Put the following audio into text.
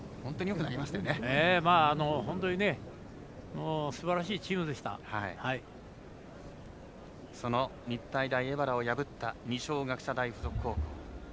本当にすばらしいその日体大荏原を破った二松学舎大付属高校。